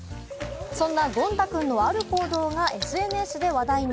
そんなゴン太くんのある行動がＳＮＳで話題に。